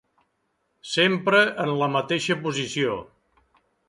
Sempre en la mateixa posició.